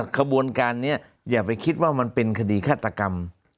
ขบวนการนี้อย่าไปคิดว่ามันเป็นคดีฆาตกรรม